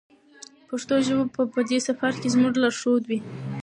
پښتو ژبه به په دې سفر کې زموږ لارښود وي.